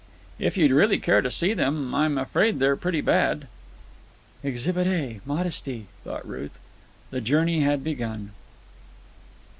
"If you'd really care to see them. I'm afraid they're pretty bad." "Exhibit A. Modesty," thought Ruth. The journey had begun.